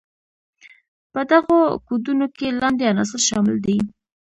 په دغو کودونو کې لاندې عناصر شامل دي.